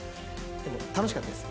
でも楽しかったです